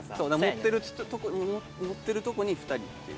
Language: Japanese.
持ってるとこ持ってるとこに２人っていう。